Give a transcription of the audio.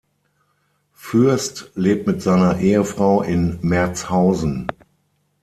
Fürst lebt mit seiner Ehefrau in Merzhausen.